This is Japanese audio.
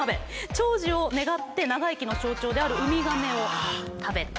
長寿を願って長生きの象徴であるウミガメを食べた。